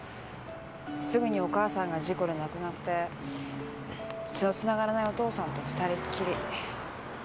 すぐにお母さんが事故で亡くなって血のつながらないお父さんと二人っきり。